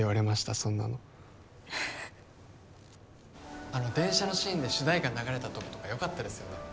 そんなのあの電車のシーンで主題歌流れたとことかよかったですよね